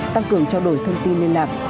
tăng cường trao đổi thông tin liên lạc